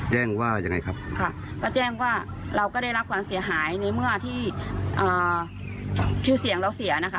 แจ้งว่ายังไงครับค่ะก็แจ้งว่าเราก็ได้รับความเสียหายในเมื่อที่ชื่อเสียงเราเสียนะคะ